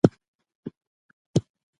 تاسې باید د علمي اصولو ته دقت وکړئ.